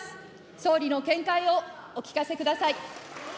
総理の見解をお聞かせください。